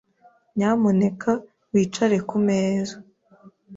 Nyamuneka wicare kumeza.